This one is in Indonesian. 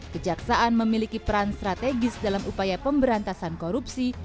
kejaksaan memiliki peran strategis dalam upaya pemberantasan korupsi